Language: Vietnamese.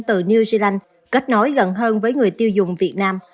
từ new zealand kết nối gần hơn với người tiêu dùng việt nam